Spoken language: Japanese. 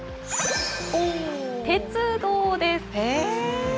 鉄道です。